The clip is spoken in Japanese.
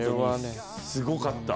すごかった。